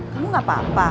kamu gak apa apa